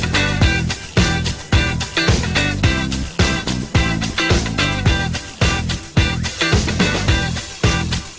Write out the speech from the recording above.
มาช่วยนะ